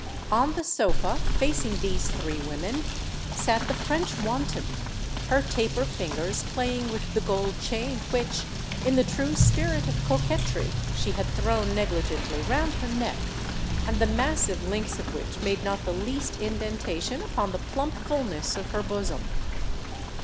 On the sofa facing these three women, sate the French wanton, her taper fingers playing with the gold chain which, in the true spirit of coquetry, she had thrown negligently round her neck, and the massive links of which made not the least indentation upon the plump fullness of her bosom.